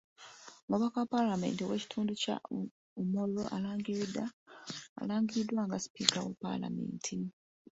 Omubaka wa Paalamenti ow’ekitundu kya Omoro alangiriddwa nga Sipiika wa Paalamenti.